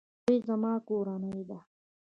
دوی زما کورنۍ ده